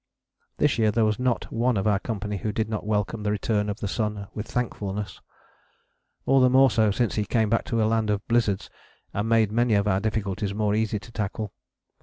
This year there was not one of our company who did not welcome the return of the sun with thankfulness: all the more so since he came back to a land of blizzards and made many of our difficulties more easy to tackle.